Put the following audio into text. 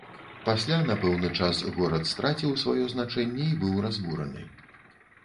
Пасля, на пэўны час, горад страціў сваё значэнне і быў разбураны.